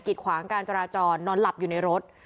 ขวางการจราจรนอนหลับอยู่ในรถ